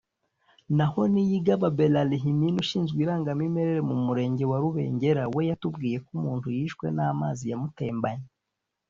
naho Niyigaba Beralmin ushinzwe irangamimerere mu Murenge wa Rubengera we yatubwiye ko umuntu yishwe n’amazi yamutembanye